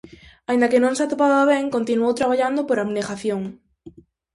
Aínda que non se atopaba ben, continuou traballando por abnegación.